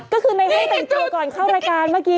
ก็คือในห้องเห็นเจอก่อนในรายการเมื่อกี้